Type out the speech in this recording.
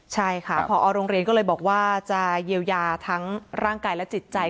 ใช่ค่ะพอโรงเรียนก็เลยบอกว่าจะเยียวยาทั้งร่างกายและจิตใจ